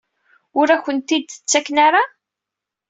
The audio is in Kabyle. Ur akent-tent-id-ttaken ara?